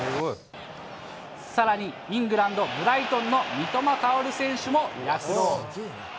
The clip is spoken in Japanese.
さらにイングランド・ブライトンの三笘薫選手も躍動。